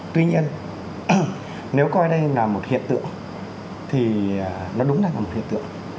tuy nhiên nếu coi đây là một hiện tượng thì nó đúng là một hiện tượng